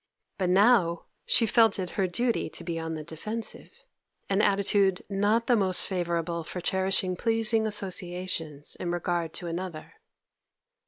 But now she felt it her duty to be on the defensive, an attitude not the most favourable for cherishing pleasing associations in regard to another.